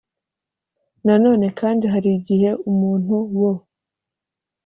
Na none kandi hari igihe umuntu wo